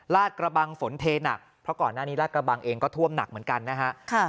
กระบังฝนเทหนักเพราะก่อนหน้านี้ลาดกระบังเองก็ท่วมหนักเหมือนกันนะฮะ